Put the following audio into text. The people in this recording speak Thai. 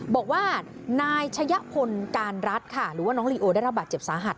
บอกว่านายชะยะพลการรัฐค่ะหรือว่าน้องลีโอได้ระบาดเจ็บสาหัส